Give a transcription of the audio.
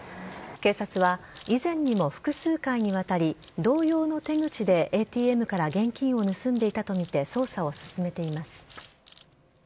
警察は、以前にも複数回にわたり同様の手口でＡＴＭから現金を盗んでいたとみて捜査を進めています。